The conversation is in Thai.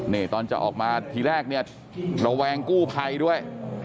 นี่ตอนจะออกมาทีแรกเนี่ยระแวงกู้ภัยด้วย